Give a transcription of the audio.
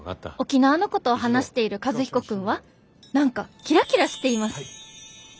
「沖縄のことを話している和彦君は何かキラキラしています」。